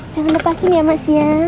jangan lepasin ya mas ya